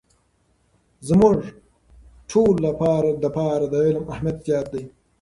زموږ ټولو لپاره د علم اهمیت زیات دی.